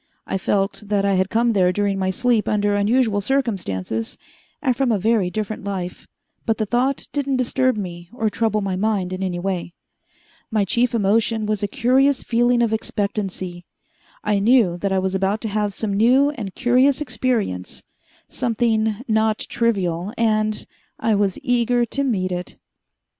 I felt that I had come there during my sleep under unusual circumstances and from a very different life, but the thought didn't disturb me or trouble my mind in any way. My chief emotion was a curious feeling of expectancy. I knew that I was about to have some new and curious experience, something not trivial, and I was eager to meet it.